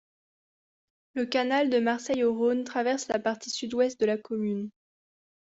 Le canal de Marseille au Rhône traverse la partie sud-ouest de la commune.